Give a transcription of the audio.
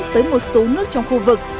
tới một số nước trong khu vực